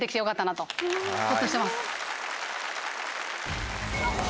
ホッとしてます。